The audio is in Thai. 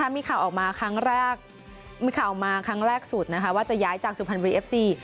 มีข่าวออกมาครั้งแรกสุดว่าจะย้ายจากสุนบันดี